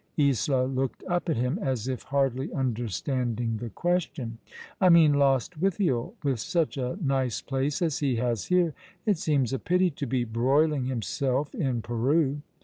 Isola looked up at hina, as if hardly understanding the question. "I mean Lostwithiel. With such a nico place as he has here, it seems a pity to be broiling himself in Peru.